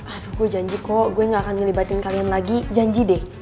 aduh gue janji kok gue gak akan ngelibatin kalian lagi janji deh